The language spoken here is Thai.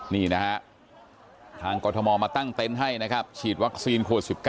นี่นะฮะทางกรทมมาตั้งเต็นต์ให้นะครับฉีดวัคซีนโควิด๑๙